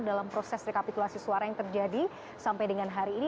dalam proses rekapitulasi suara yang terjadi sampai dengan hari ini